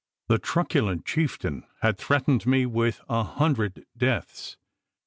The truculent chieftain had threatened me with a hundred deaths.